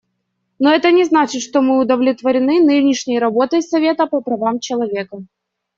Но это не значит, что мы удовлетворены нынешней работой Совета по правам человека.